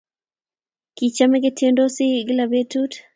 Kichame ketyendosi kila petut